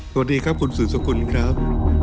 สวัสดีครับคุณสื่อสกุลครับ